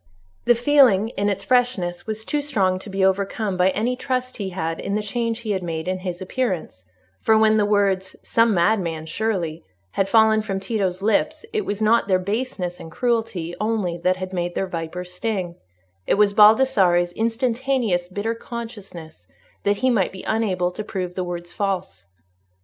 The feeling, in its freshness, was too strong to be overcome by any trust he had in the change he had made in his appearance; for when the words "some madman, surely," had fallen from Tito's lips, it was not their baseness and cruelty only that had made their viper sting—it was Baldassarre's instantaneous bitter consciousness that he might be unable to prove the words false.